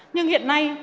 nhưng hiện nay